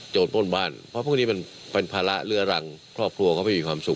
ปล้นบ้านเพราะพวกนี้มันเป็นภาระเรื้อรังครอบครัวเขาไม่มีความสุข